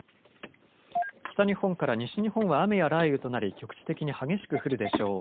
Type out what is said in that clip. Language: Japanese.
北日本から西日本は雨や雷雨となり、局地的に激しく降るでしょう。